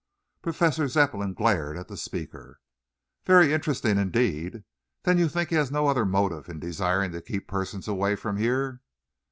Professor Zepplin glared at the speaker. "Very interesting, indeed. Then you think he has no other motive in desiring to keep persons away from here?"